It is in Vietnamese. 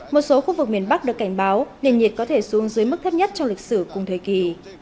một số khu vực miền bắc được cảnh báo nền nhiệt có thể xuống dưới mức thấp nhất trong lịch sử cùng thời kỳ